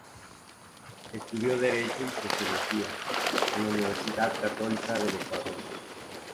Estudió derecho y sociología en la Universidad Católica del Ecuador.